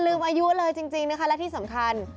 และที่สำคัญ